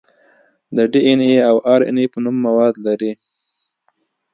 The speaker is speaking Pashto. د ډي ان اې او ار ان اې په نوم مواد لري.